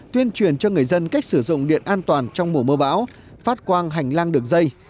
tuyên truyền cho người dân cách sử dụng điện an toàn trong mùa mưa bão phát quang hành lang đường dây